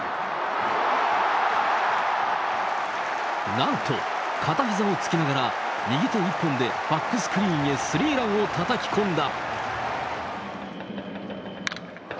なんと、片ひざをつきながら右手一本でバックスクリーンへスリーランをたたき込んだ。